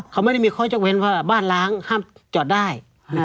เขาไม่ได้มีความจำเองว่าบ้านล้างห้ามจอดได้